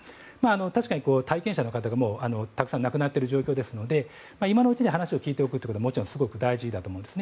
確かに体験者の方が、たくさん亡くなっている状況ですので今のうちに話を聞いておくことも大事だと思います。